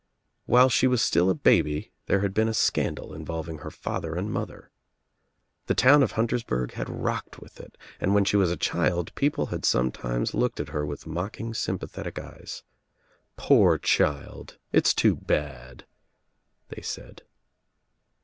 While she was still a baby there had been a scandal involving her father and mother. The town of Huntersburg had rocked with it and when she was a child people had sometimes looked at her with mocking sympa thetic eyes. "Poor child 1 It's too bad," they said.